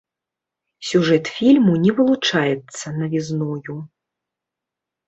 Сюжэт фільму не вылучаецца навізною.